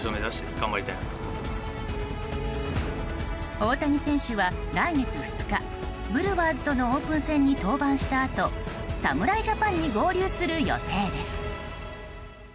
大谷選手は来月２日ブルワーズとのオープン戦に登板したあと侍ジャパンに合流する予定です。